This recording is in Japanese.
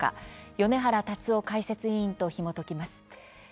米原達生解説委員とひもときます。